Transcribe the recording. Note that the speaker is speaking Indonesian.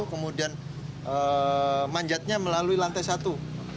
kemudian manjatnya melalui lantai satu